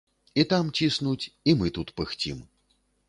І там ціснуць, і мы тут пыхцім.